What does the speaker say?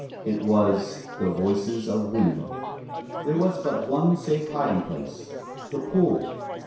It was the voices of women! There was but one safe hiding place the pool.